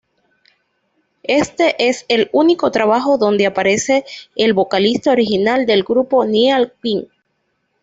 Este es el único trabajo donde aparece el vocalista original del grupo, Niall Quinn.